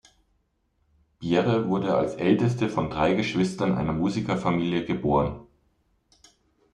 Bjerre wurde als älteste von drei Geschwistern einer Musikerfamilie geboren.